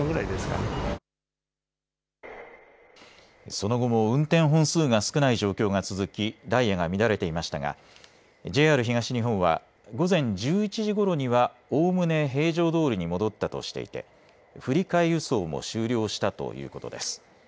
その後も運転本数が少ない状況が続きダイヤが乱れていましたがＪＲ東日本は午前１１時ごろにはおおむね平常どおりに戻ったとしていて振り替え輸送も終了したということです。